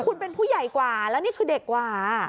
คุณเป็นผู้ใหญ่กว่าแล้วนี่คือเด็กกว่า